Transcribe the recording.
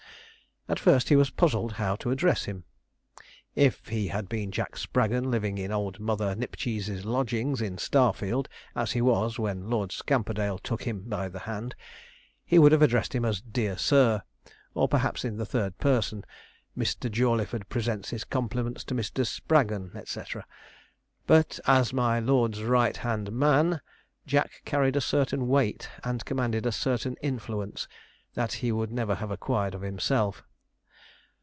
At first he was puzzled how to address him. If he had been Jack Spraggon, living in old Mother Nipcheese's lodgings at Starfield, as he was when Lord Scamperdale took him by the hand, he would have addressed him as 'Dear Sir,' or perhaps in the third person, 'Mr. Jawleyford presents his compliments to Mr. Spraggon,' &c. but, as my lord's right hand man, Jack carried a certain weight, and commanded a certain influence, that he would never have acquired of himself.